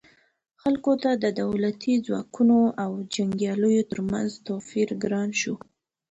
خلکو ته د دولتي ځواکونو او جنګیالیو ترمنځ توپیر ګران شو.